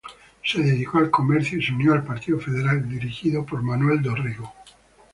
Se dedicó al comercio y se unió al partido federal dirigido por Manuel Dorrego.